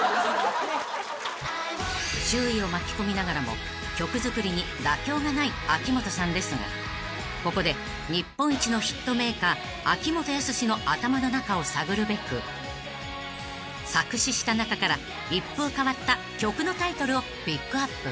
［周囲を巻き込みながらも曲作りに妥協がない秋元さんですがここで日本一のヒットメーカー秋元康の頭の中を探るべく作詞した中から一風変わった曲のタイトルをピックアップ］